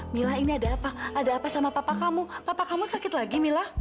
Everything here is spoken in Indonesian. mila ini ada apa ada apa sama papa kamu papa kamu sakit lagi mila